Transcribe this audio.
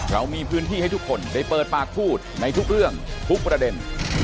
เรามีพื้นที่ให้ทุกคนได้เปิดปากพูดในทุกเรื่องทุกประเด็น